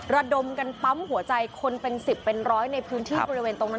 ระดมกันปั๊มหัวใจคนเป็น๑๐เป็นร้อยในพื้นที่บริเวณตรงนั้น